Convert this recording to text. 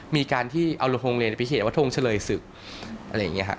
มีการที่เอาโรงเรียนไปเขียนว่าทงเฉลยศึกอะไรอย่างนี้ครับ